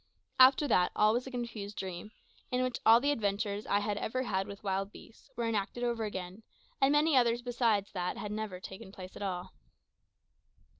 After that, all was a confused dream, in which all the adventures I had ever had with wild beasts were enacted over again, and many others besides that had never taken place at all.